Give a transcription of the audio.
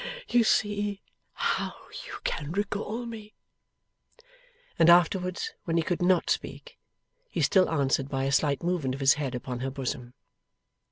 You see how you can recall me!' And afterwards, when he could not speak, he still answered by a slight movement of his head upon her bosom.